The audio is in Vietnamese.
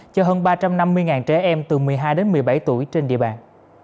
cho hơn ba trăm năm mươi trẻ em từ một mươi hai đến một mươi bảy tuổi trên địa bàn